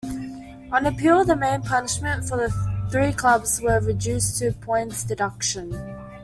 On appeal, the main punishment for the three clubs was reduced to points-deduction.